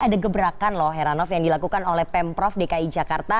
ada gebrakan loh heranov yang dilakukan oleh pemprov dki jakarta